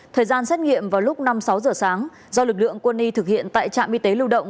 thời gian xét nghiệm vào lúc năm sáu giờ sáng do lực lượng quân y thực hiện tại trạm y tế lưu động